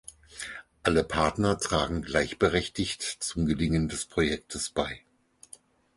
Alle Partner tragen gleichberechtigt zum Gelingen des Projektes bei.